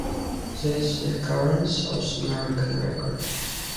This the current South American record.